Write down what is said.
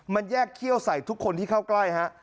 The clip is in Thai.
มันแยกเขี้ยวใส่ทุกคนที่เข้าใกล้ฮะ